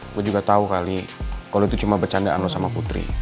gue juga tahu kali kalau itu cuma bercandaan lo sama putri